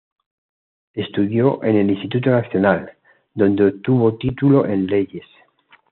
Estudió en el Instituto Nacional, donde obtuvo título en Leyes.